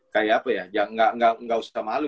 kayak apa ya nggak usah malu